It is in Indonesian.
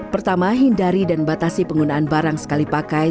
pertama hindari dan batasi penggunaan barang sekali pakai